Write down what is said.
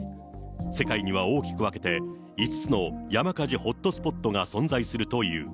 世界には大きく分けて、５つの山火事ホットスポットが存在するという。